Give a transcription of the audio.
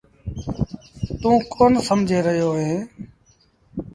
توٚنٚ ڪون سمجھي رهيو اهي